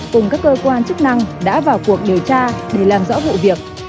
cùng các cơ quan chức năng đã vào cuộc điều tra để làm rõ vụ việc